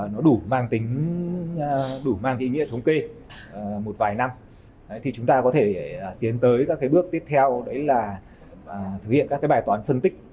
nó đủ mang tính đủ mang cái ý nghĩa thống kê một vài năm thì chúng ta có thể tiến tới các cái bước tiếp theo đấy là thực hiện các cái bài toán phân tích